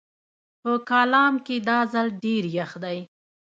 په کالام کې دا ځل ډېر يخ دی